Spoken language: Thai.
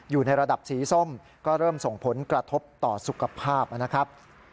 อยู่ในระดับสีส้มก็เริ่มส่งผลกระทบต่อสุขภาพนะครับ